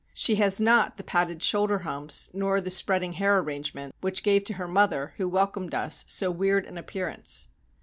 She has not the padded shoulder humps, nor the spreading hair arrange ment, which gave to her mother, who welcomed us, so weird an appearance.